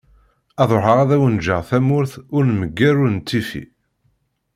Ad ruḥeγ ad awen-ğğeγ tamurt ur nmegger ur nettifi.